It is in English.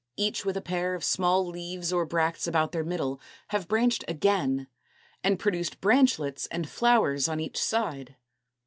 211, each with a pair of small leaves or bracts about their middle, have branched again, and produced the branchlets and flowers c c, on each side.